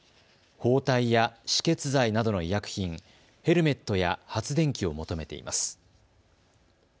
包帯や止血剤などの医薬品、ヘルメットや発電機を求めています。